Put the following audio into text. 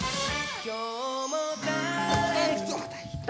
「今日も誰」